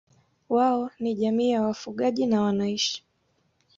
wao ni jamii ya wafugaji na wanaishi